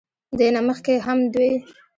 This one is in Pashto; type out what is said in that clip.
دې نه مخکښې هم دوي